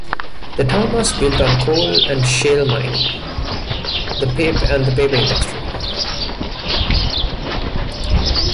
The town was built on coal and shale mining, and the paper industry.